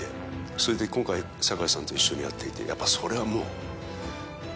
それで今回堺さんと一緒にやっていてやっぱそれはもう。